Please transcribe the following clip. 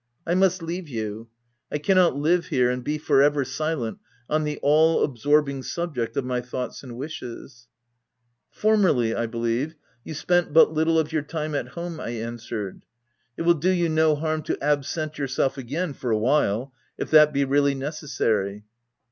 " I must leave you. I cannot live here, and be for ever silent on the all absorbing sub ject of my thoughts and wishes/' u Formerly, I believe, you spent but little of your time at home/' I answered: <c it will do you no harm to absent yourself again, for a while — if that be really necessary."